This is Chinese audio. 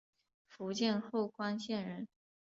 福建侯官县人。